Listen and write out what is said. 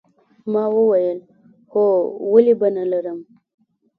ما وویل هو ولې به نه لرم